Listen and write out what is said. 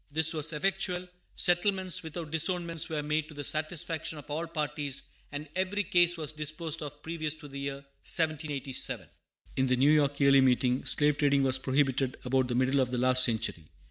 This was effectual; settlements without disownment were made to the satisfaction of all parties, and every case was disposed of previous to the year 1787. In the New York Yearly Meeting, slave trading was prohibited about the middle of the last century.